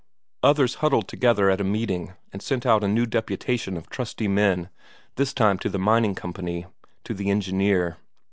Others huddled together at a meeting and sent out a new deputation of trusty men, this time to the mining company, to the engineer.